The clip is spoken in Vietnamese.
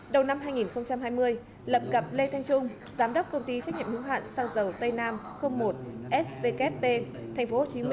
đầu năm hai nghìn hai mươi lập cặp lê thanh trung giám đốc công ty trách nhiệm hữu hạn xăng dầu tây nam một svkp tp hcm